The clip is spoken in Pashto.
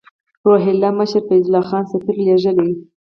روهیله مشر فیض الله خان سفیر لېږلی.